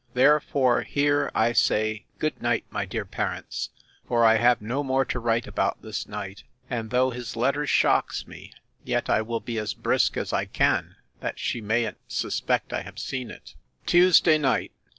Therefore, here I say, Good night, my dear parents; for I have no more to write about this night: and though his letter shocks me, yet I will be as brisk as I can, that she mayn't suspect I have seen it. Tuesday night.